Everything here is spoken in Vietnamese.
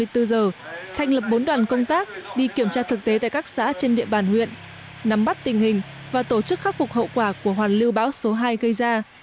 thành lập bốn đoàn công tác đi kiểm tra thực tế tại các xã trên địa bàn huyện nắm bắt tình hình và tổ chức khắc phục hậu quả của hoàn lưu bão số hai gây ra